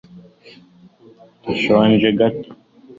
ndashonje gato